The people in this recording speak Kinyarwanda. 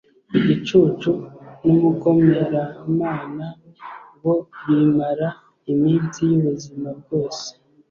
ku gicucu n'umugomeramana bo bimara iminsi y'ubuzima bwose